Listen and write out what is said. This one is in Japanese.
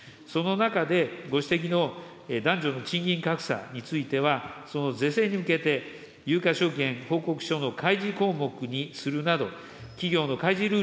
その中で、ご指摘の男女の賃金格差については、その是正に向けて、有価証券報告書の開示項目にするなど、企業の開示